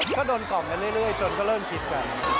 ก็โดนกล่อมกันเรื่อยจนก็เริ่มคิดกัน